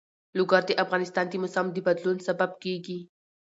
لوگر د افغانستان د موسم د بدلون سبب کېږي.